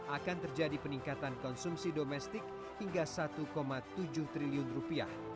akan terjadi peningkatan konsumsi domestik hingga satu tujuh triliun rupiah